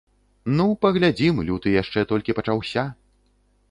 Ну, паглядзім, люты яшчэ толькі пачаўся.